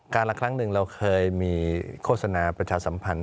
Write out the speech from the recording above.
ละครั้งหนึ่งเราเคยมีโฆษณาประชาสัมพันธ